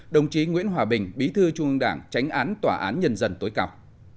đồng chí nguyễn hòa bình bí thư trung ương đảng tránh án tòa án nhân dân tối cầu